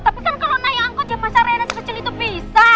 tapi kan kalau naik angkot ya masa rena sekecil itu bisa